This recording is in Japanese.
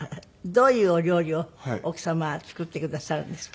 どういうお料理を奥様は作ってくださるんですか？